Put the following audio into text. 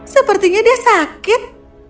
sepertinya dia sakit